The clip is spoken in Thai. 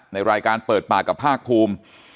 ในรายการเปิดปากกับภาคภูมิ